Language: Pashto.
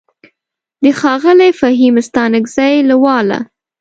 د ښاغلي فهيم ستانکزي له واله: